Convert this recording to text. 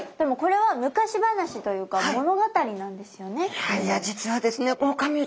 いやいや実はですね